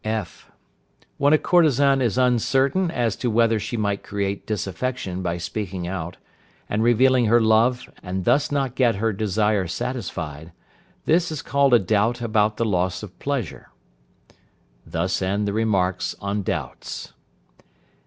(f). When a courtesan is uncertain as to whether she might create disaffection by speaking out, and revealing her love and thus not get her desire satisfied, this is called a doubt about the loss of pleasure. Thus end the remarks on doubts.